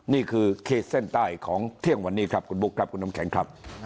นี่คือเขตเส้นใต้ของเที่ยงวันนี้ครับคุณบุ๊คครับคุณน้ำแข็งครับ